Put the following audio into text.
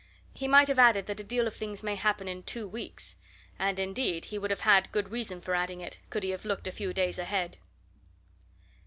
He might have added that a deal of things may happen in two weeks and, indeed, he would have had good reason for adding it, could he have looked a few days ahead.